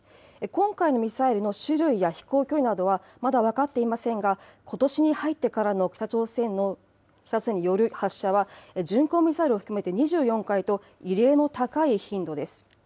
今回のミサイルの種類や飛行距離などは、まだ分かっていませんが、ことしに入ってからの北朝鮮による発射は、巡航ミサイルを含めて２４回と、異例の高い頻度です。